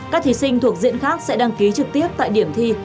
các thí sinh thuộc diện khác sẽ đăng ký trực tiếp tại điểm thi